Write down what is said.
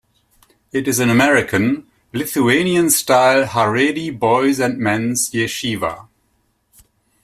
It is an American, Lithuanian-style Haredi boys' and men's yeshiva.